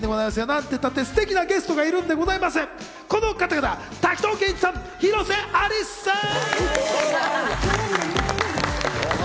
何てったって、ステキなゲストがいるんでございます、この方々、滝藤賢一さん、広瀬アリスさん。